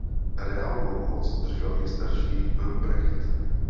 Reálnou moc držel nejstarší Ruprecht.